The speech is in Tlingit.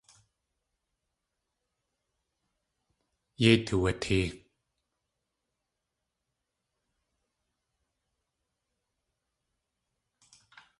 Yéi tuwatee.